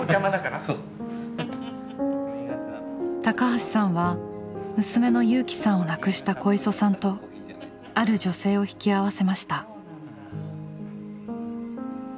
橋さんは娘の友紀さんを亡くした小磯さんとある女性を引き合わせました。